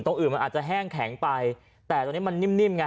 ตรงอื่นมันอาจจะแห้งแข็งไปแต่ตรงนี้มันนิ่มไง